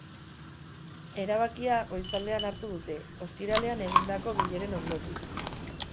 Erabakia goizaldean hartu dute, ostiralean egindako bileren ondotik.